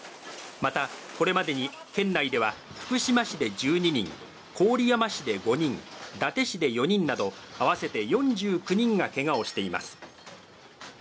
またこれまでに県内では、福島市で１２人、郡山市で５人、伊達市で４人など、合わせて４９人がけがをしています。